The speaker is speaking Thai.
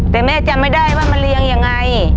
แต่แม่จำไม่ได้ว่ามันเรียงยังไง